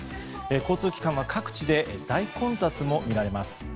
交通機関は各地で大混雑も見られます。